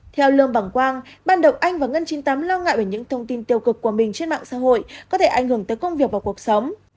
theo lương bằng quang ban đầu anh và ngân chín mươi tám lo ngại về những thông tin tiêu cực của mình trên mạng xã hội có thể ảnh hưởng tới công việc và cuộc sống